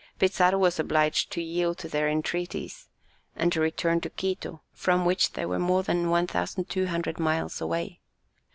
Pizarro was obliged to yield to their entreaties and to return to Quito, from which they were more than 1200 miles away.